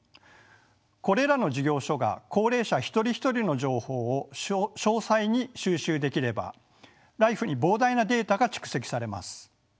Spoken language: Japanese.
これらの事業所が高齢者一人一人の情報を詳細に収集できればＬＩＦＥに膨大なデータが蓄積されます。